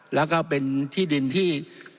แล้วก็เป็นที่ดินที่